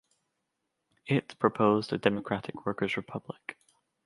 It proposed a "democratic workers' republic".